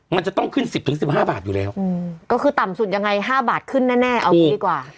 มันจะต้องขึ้น๑๐๑๕บาทอยู่แล้วก็คือต่ำสุดยังไง๕บาทขึ้นแน่เอางี้ดีกว่า